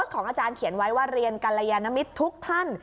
ของอาจารย์เขียนไว้ว่าเรียนกัลยานมิตรทุกท่าน